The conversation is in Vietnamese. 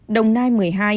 đồng nai một mươi hai